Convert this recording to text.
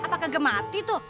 gak ada yang ngegem arti tuh